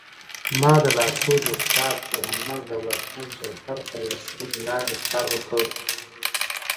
ما د لارښود استاد پوهنمل دولت خان جوهر تر لارښوونې لاندې کار وکړ